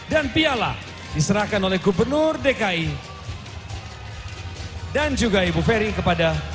dua ribu dua puluh dua dan piala diserahkan oleh gubernur dki dan juga ibu feri kepada